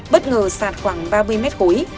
bất ngờ sạt khoảng ba mươi mét khối